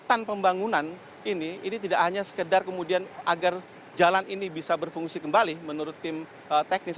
agar jalan ini bisa berfungsi kembali menurut tim teknis pemkot surabaya ini tidak hanya sekedar kemudian agar jalan ini bisa berfungsi kembali menurut tim teknis pemkot surabaya